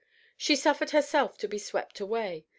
She suffered herself to be swept away.